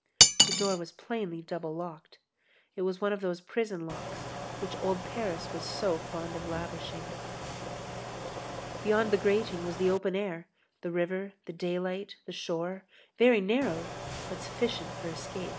The door was plainly double locked. It was one of those prison locks which old Paris was so fond of lavishing. Beyond the grating was the open air, the river, the daylight, the shore, very narrow but sufficient for escape.